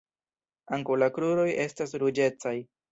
Ankaŭ la kruroj estas ruĝecaj.